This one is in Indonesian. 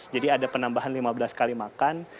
jadi ada penambahan lima belas kali makan